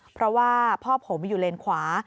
เพราะว่าพ่อผมอยู่เลนขวา